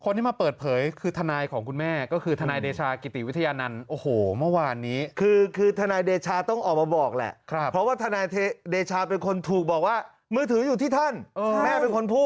คุณข้อนี้มาเปิดเผยคือทันายของคุณแม่ก็คือทันายเดชากิฤติวิทยานันตร์โอโหว่านี้คือคือทันายเดชาต้องออกมาบอกและครับเพราะว่าทันายเดชาเป็นคนถูกบอกว่ามือถืออยู่ที่ท่านแม่มีคน